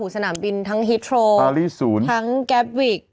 สนามบินทั้งฮิตโทรทั้งแก๊ปวิก